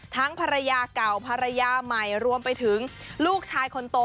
ภรรยาเก่าภรรยาใหม่รวมไปถึงลูกชายคนโต